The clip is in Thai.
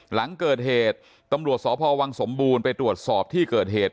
หลังเกิดเหตุตำรวจสพวังสมบูรณ์ไปตรวจสอบที่เกิดเหตุ